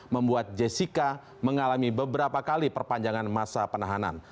membuat jessica mengalami beberapa kali perpanjangan masa penahanan